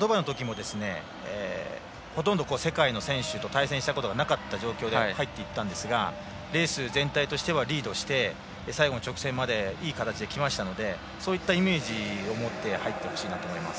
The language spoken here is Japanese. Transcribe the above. ドバイのときもほとんど世界の選手と戦うことがなかった状況で入っていったんですがレース全体としてはリードして最後の直線までいい形できましたのでそういったイメージを持って入ってほしいなと思います。